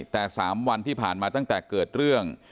แต่๓วันที่ผ่านมาตั้งแต่เกิดเรื่อง